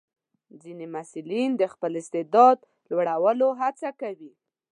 ځینې محصلین د خپل استعداد لوړولو هڅه کوي.